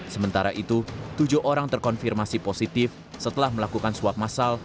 sementara itu tujuh orang terkonfirmasi positif setelah melakukan swab masal